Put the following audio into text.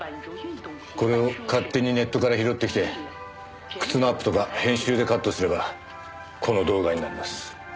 これを勝手にネットから拾ってきて靴のアップとか編集でカットすればこの動画になります。